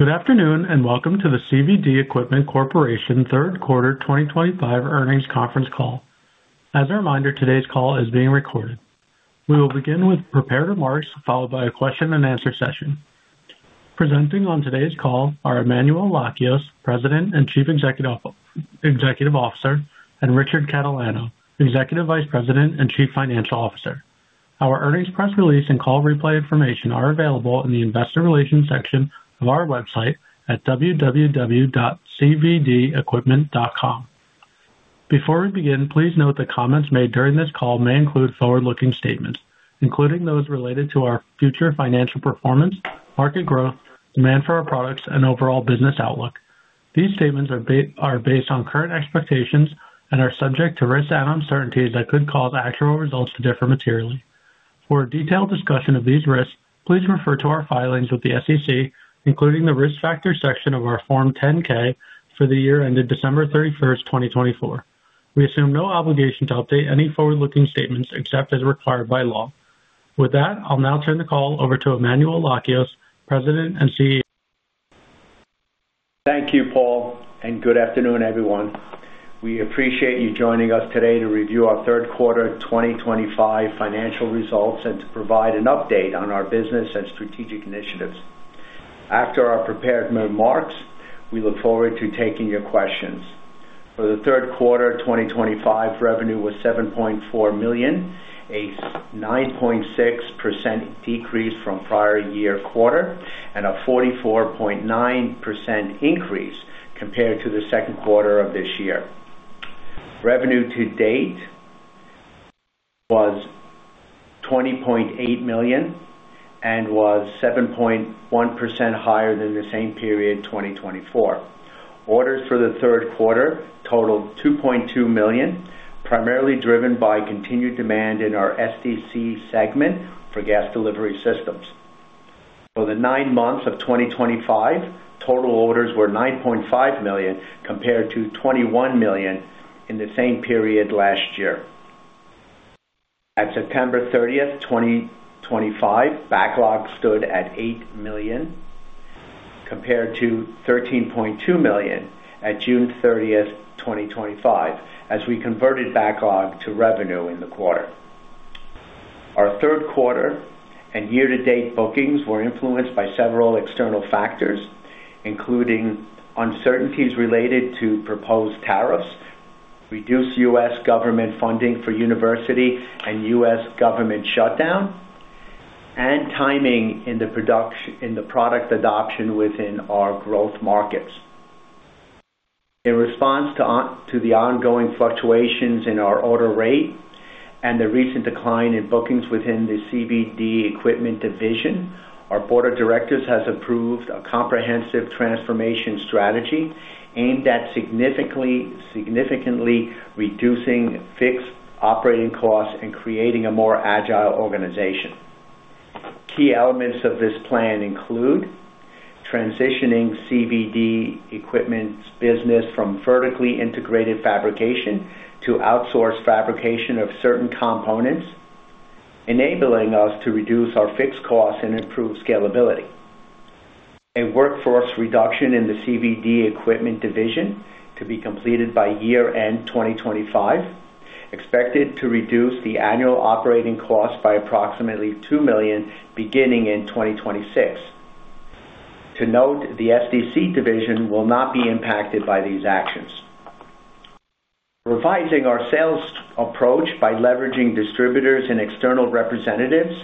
Good afternoon and welcome to the CVD Equipment Corporation third quarter 2025 earnings conference call. As a reminder, today's call is being recorded. We will begin with prepared remarks followed by a question and answer session. Presenting on today's call are Emmanuel Lakios, President and Chief Executive Officer, and Richard Catalano, Executive Vice President and Chief Financial Officer. Our earnings press release and call replay information are available in the investor relations section of our website at www.cvdequipment.com. Before we begin, please note the comments made during this call may include forward-looking statements, including those related to our future financial performance, market growth, demand for our products, and overall business outlook. These statements are based on current expectations and are subject to risks and uncertainties that could cause actual results to differ materially. For a detailed discussion of these risks, please refer to our filings with the SEC, including the risk factor section of our Form 10-K for the year ended December 31st, 2024. We assume no obligation to update any forward-looking statements except as required by law. With that, I'll now turn the call over to Emmanuel Lakios, President and CEO. Thank you, Paul, and good afternoon, everyone. We appreciate you joining us today to review our third quarter 2025 financial results and to provide an update on our business and strategic initiatives. After our prepared remarks, we look forward to taking your questions. For the third quarter 2025, revenue was $7.4 million, a 9.6% decrease from prior year quarter, and a 44.9% increase compared to the second quarter of this year. Revenue to date was $20.8 million and was 7.1% higher than the same period 2024. Orders for the third quarter totaled $2.2 million, primarily driven by continued demand in our SDC segment for gas delivery systems. For the nine months of 2025, total orders were $9.5 million compared to $21 million in the same period last year. At September 30th, 2025, backlog stood at $8 million compared to $13.2 million at June 30th, 2025, as we converted backlog to revenue in the quarter. Our third quarter and year-to-date bookings were influenced by several external factors, including uncertainties related to proposed tariffs, reduced U.S. government funding for university and U.S. government shutdown, and timing in the product adoption within our growth markets. In response to the ongoing fluctuations in our order rate and the recent decline in bookings within the CVD Equipment Division, our Board of Directors has approved a comprehensive transformation strategy aimed at significantly reducing fixed operating costs and creating a more agile organization. Key elements of this plan include transitioning CVD equipment business from vertically integrated fabrication to outsourced fabrication of certain components, enabling us to reduce our fixed costs and improve scalability. A workforce reduction in the CVD Equipment Division to be completed by year-end 2025 expected to reduce the annual operating costs by approximately $2 million beginning in 2026. To note, the SDC division will not be impacted by these actions. Revising our sales approach by leveraging distributors and external representatives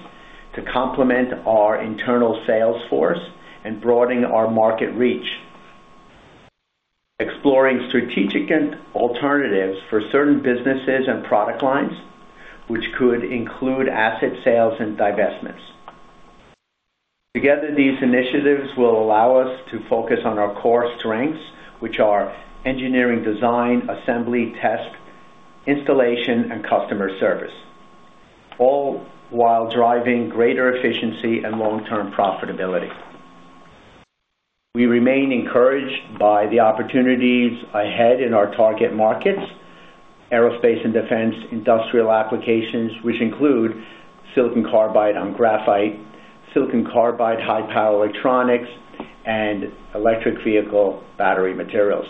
to complement our internal sales force and broadening our market reach. Exploring strategic alternatives for certain businesses and product lines, which could include asset sales and divestments. Together, these initiatives will allow us to focus on our core strengths, which are engineering design, assembly, test, installation, and customer service, all while driving greater efficiency and long-term profitability. We remain encouraged by the opportunities ahead in our target markets, aerospace and defense, industrial applications, which include silicon carbide on graphite, silicon carbide high-power electronics, and electric vehicle battery materials.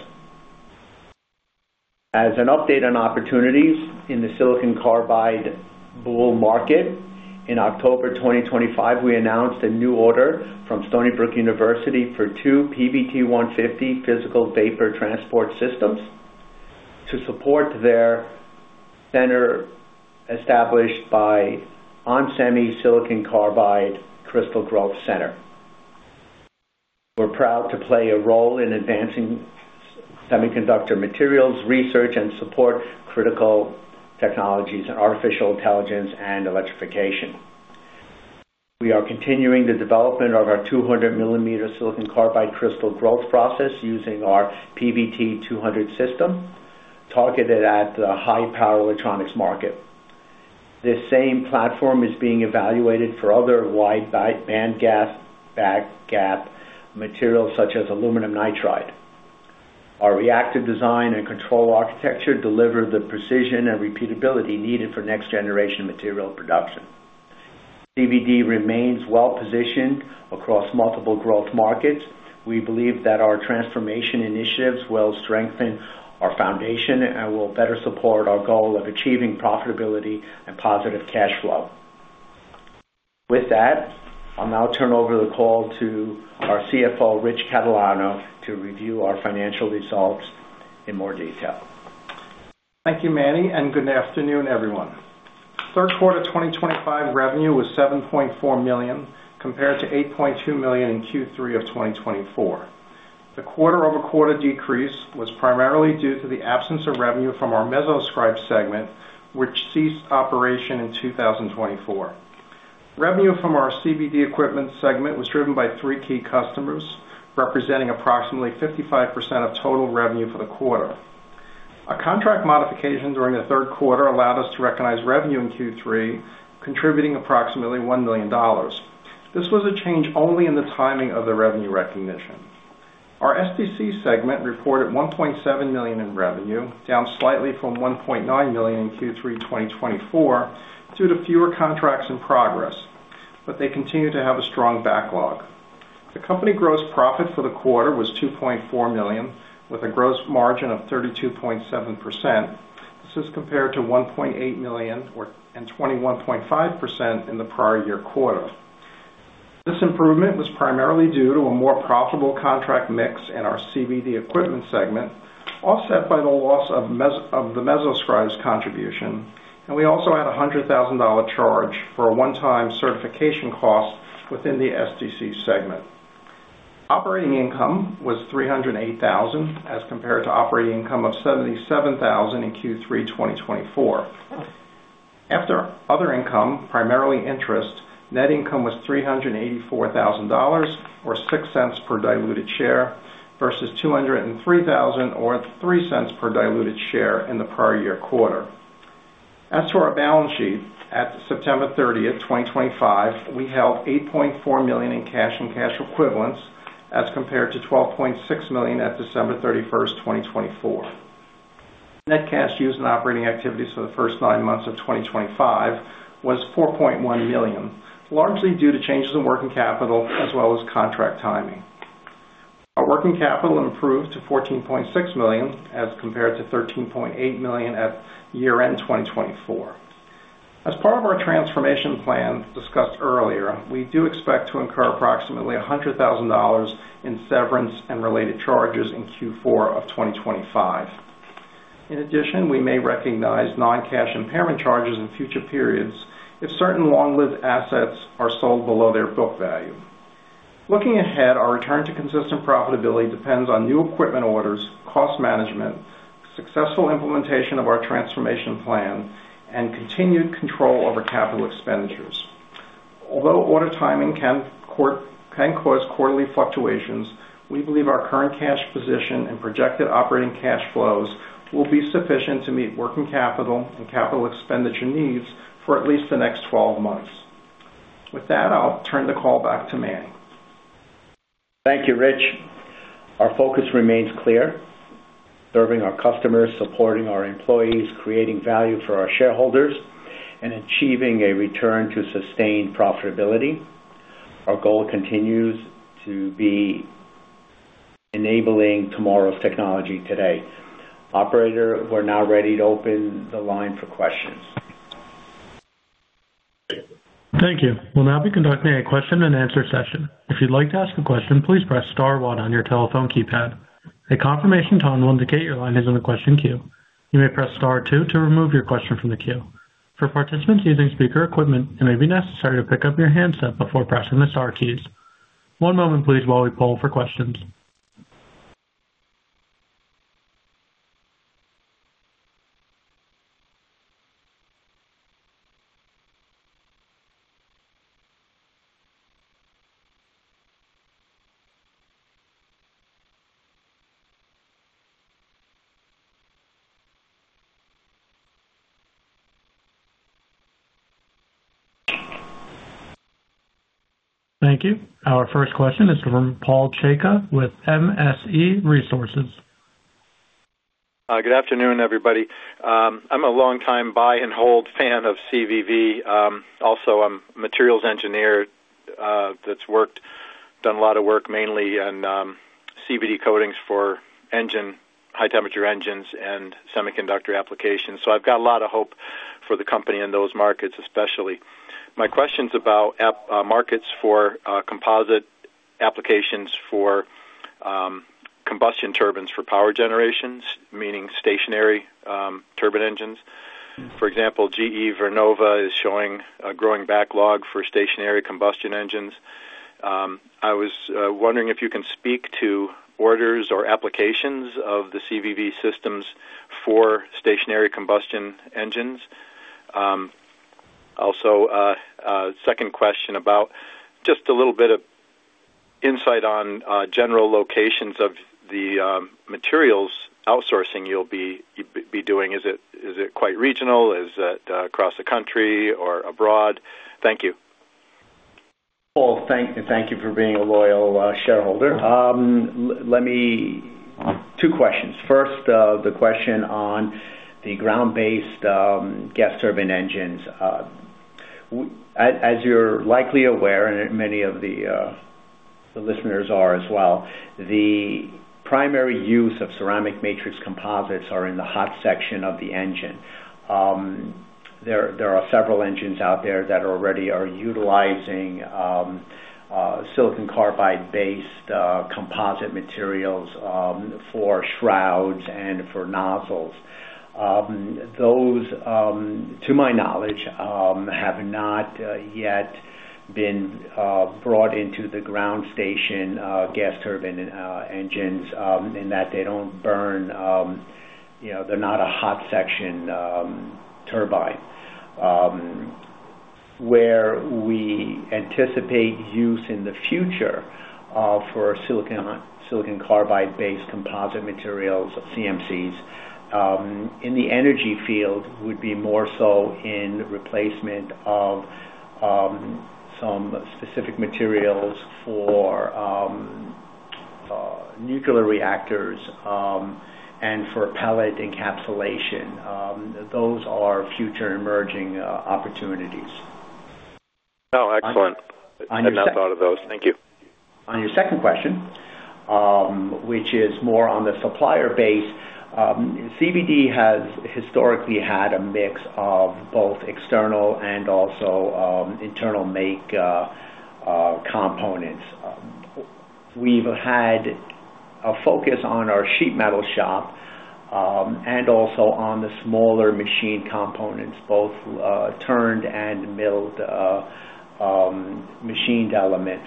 As an update on opportunities in the silicon carbide bull market, in October 2025, we announced a new order from Stony Brook University for two PBT150 physical vapor transport systems to support their center established by Onsemi Silicon Carbide Crystal Growth Center. We're proud to play a role in advancing semiconductor materials research and support critical technologies in artificial intelligence and electrification. We are continuing the development of our 200 mm silicon carbide crystal growth process using our PBT200 system targeted at the high-power electronics market. This same platform is being evaluated for other wide-band gas backgap materials such as aluminum nitride. Our reactive design and control architecture deliver the precision and repeatability needed for next-generation material production. CVD remains well-positioned across multiple growth markets. We believe that our transformation initiatives will strengthen our foundation and will better support our goal of achieving profitability and positive cash flow. With that, I'll now turn over the call to our CFO, Rich Catalano, to review our financial results in more detail. Thank you, Manny, and good afternoon, everyone. Third quarter 2025 revenue was $7.4 million compared to $8.2 million in Q3 of 2024. The quarter-over-quarter decrease was primarily due to the absence of revenue from our mesoscrybe segment, which ceased operation in 2024. Revenue from our CVD equipment segment was driven by three key customers, representing approximately 55% of total revenue for the quarter. A contract modification during the third quarter allowed us to recognize revenue in Q3, contributing approximately $1 million. This was a change only in the timing of the revenue recognition. Our SDC segment reported $1.7 million in revenue, down slightly from $1.9 million in Q3 2024 due to fewer contracts in progress, but they continue to have a strong backlog. The company gross profit for the quarter was $2.4 million, with a gross margin of 32.7%. This is compared to $1.8 million and 21.5% in the prior year quarter. This improvement was primarily due to a more profitable contract mix in our CVD equipment segment, offset by the loss of the Mesoscrybe's contribution, and we also had a $100,000 charge for a one-time certification cost within the SDC segment. Operating income was $308,000 as compared to operating income of $77,000 in Q3 2024. After other income, primarily interest, net income was $384,000 or $0.06 per diluted share versus $203,000 or $0.03 per diluted share in the prior year quarter. As for our balance sheet, at September 30th, 2025, we held $8.4 million in cash and cash equivalents as compared to $12.6 million at December 31st, 2024. Net cash used in operating activities for the first nine months of 2025 was $4.1 million, largely due to changes in working capital as well as contract timing. Our working capital improved to $14.6 million as compared to $13.8 million at year-end 2024. As part of our transformation plan discussed earlier, we do expect to incur approximately $100,000 in severance and related charges in Q4 of 2025. In addition, we may recognize non-cash impairment charges in future periods if certain long-lived assets are sold below their book value. Looking ahead, our return to consistent profitability depends on new equipment orders, cost management, successful implementation of our transformation plan, and continued control over capital expenditures. Although order timing can cause quarterly fluctuations, we believe our current cash position and projected operating cash flows will be sufficient to meet working capital and capital expenditure needs for at least the next 12 months. With that, I'll turn the call back to Manny. Thank you, Rich. Our focus remains clear: serving our customers, supporting our employees, creating value for our shareholders, and achieving a return to sustained profitability. Our goal continues to be enabling tomorrow's technology today. Operator, we're now ready to open the line for questions. Thank you. We'll now be conducting a question and answer session. If you'd like to ask a question, please press star one on your telephone keypad. A confirmation tone will indicate your line is in the question queue. You may press star two to remove your question from the queue. For participants using speaker equipment, it may be necessary to pick up your handset before pressing the star keys. One moment, please, while we poll for questions. Thank you. Our first question is from Paul Chayka with MSE Resources. Good afternoon, everybody. I'm a longtime buy-and-hold fan of CVV. Also, I'm a materials engineer that's done a lot of work mainly in CVD coatings for high-temperature engines and semiconductor applications. So I've got a lot of hope for the company in those markets, especially. My question's about markets for composite applications for combustion turbines for power generations, meaning stationary turbine engines. For example, GE Vernova is showing a growing backlog for stationary combustion engines. I was wondering if you can speak to orders or applications of the CVV systems for stationary combustion engines. Also, second question about just a little bit of insight on general locations of the materials outsourcing you'll be doing. Is it quite regional? Is it across the country or abroad? Thank you. Paul, thank you for being a loyal shareholder. Two questions. First, the question on the ground-based gas turbine engines. As you're likely aware, and many of the listeners are as well, the primary use of ceramic matrix composites are in the hot section of the engine. There are several engines out there that already are utilizing silicon carbide-based composite materials for shrouds and for nozzles. Those, to my knowledge, have not yet been brought into the ground station gas turbine engines in that they don't burn; they're not a hot section turbine. Where we anticipate use in the future for silicon carbide-based composite materials, CMCs, in the energy field would be more so in replacement of some specific materials for nuclear reactors and for pellet encapsulation. Those are future emerging opportunities. Oh, excellent. I never thought of those. Thank you. On your second question, which is more on the supplier base, CVD has historically had a mix of both external and also internal-make components. We've had a focus on our sheet metal shop and also on the smaller machine components, both turned and milled machined elements.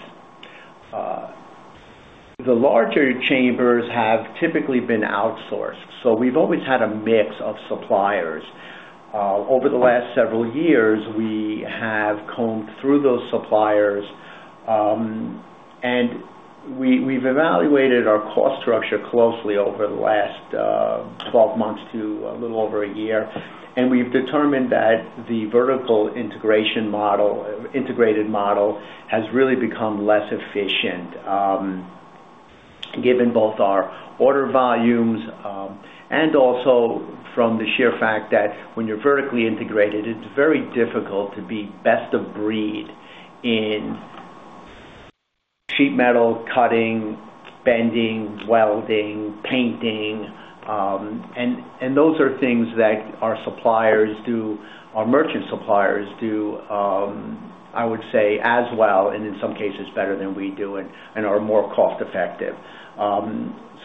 The larger chambers have typically been outsourced, so we've always had a mix of suppliers. Over the last several years, we have combed through those suppliers, and we've evaluated our cost structure closely over the last 12 months to a little over a year, and we've determined that the vertical integration model, integrated model, has really become less efficient given both our order volumes and also from the sheer fact that when you're vertically integrated, it's very difficult to be best of breed in sheet metal cutting, bending, welding, painting, and those are things that our suppliers do, our merchant suppliers do, I would say, as well, and in some cases better than we do and are more cost-effective.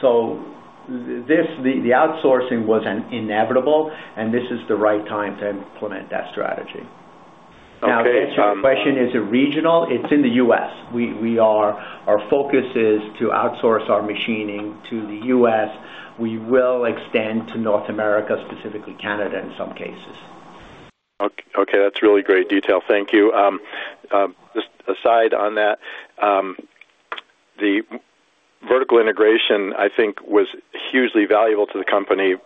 So the outsourcing was inevitable, and this is the right time to implement that strategy. Now, answering your question, is it regional? It's in the U.S. Our focus is to outsource our machining to the U.S. We will extend to North America, specifically Canada in some cases. Okay. That's really great detail. Thank you. Just a side on that, the vertical integration, I think, was hugely valuable to the company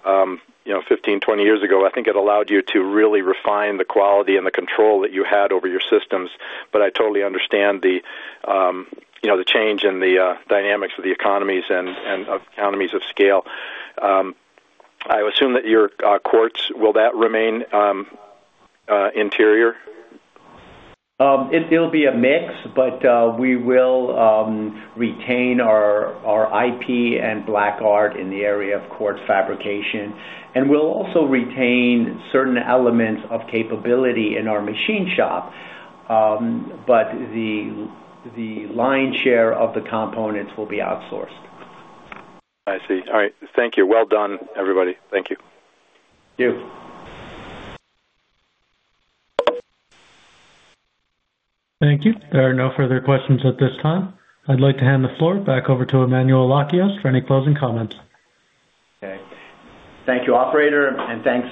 15, 20 years ago. I think it allowed you to really refine the quality and the control that you had over your systems, but I totally understand the change in the dynamics of the economies and economies of scale. I assume that your quartz, will that remain interior? It'll be a mix, but we will retain our IP and black art in the area of quartz fabrication, and we'll also retain certain elements of capability in our machine shop, but the lion's share of the components will be outsourced. I see. All right. Thank you. Well done, everybody. Thank you. You. Thank you. There are no further questions at this time. I'd like to hand the floor back over to Emmanuel Lakios for any closing comments. Okay. Thank you, Operator, and thanks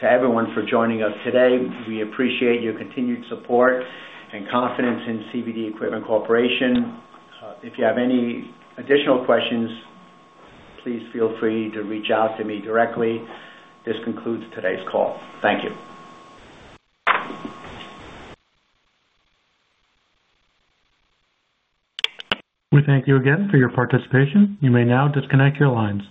to everyone for joining us today. We appreciate your continued support and confidence in CVD Equipment Corporation. If you have any additional questions, please feel free to reach out to me directly. This concludes today's call. Thank you. We thank you again for your participation. You may now disconnect your lines.